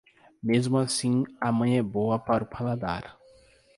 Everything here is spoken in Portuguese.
Mesmo assim, a mãe é boa para o paladar.